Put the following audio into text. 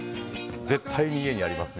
絶対に家にあります